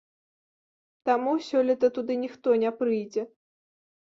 Таму сёлета туды ніхто не прыйдзе.